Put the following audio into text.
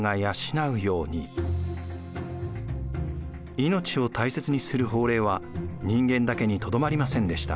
命を大切にする法令は人間だけにとどまりませんでした。